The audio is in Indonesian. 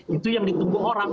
itu yang ditunggu orang